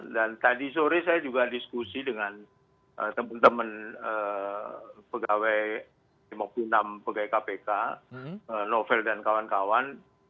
dan tadi sore saya juga diskusi dengan teman teman pegawai lima puluh enam pegawai kpk novel dan kawan kawan